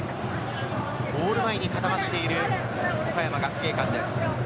ゴール前に固まっている岡山学芸館です。